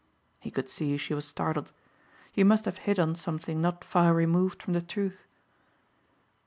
He could see she was startled. He must have hit on something not far removed from the truth.